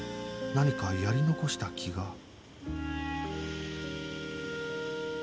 何かやり残した気が